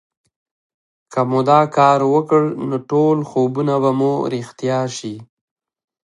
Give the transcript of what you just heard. که مو دا کار وکړ نو ټول خوبونه به مو رښتيا شي